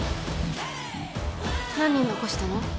何人残したの？